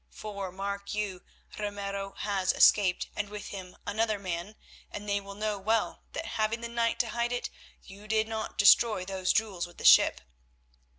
For, mark you, Ramiro has escaped, and with him another man, and they will know well that having the night to hide it, you did not destroy those jewels with the ship.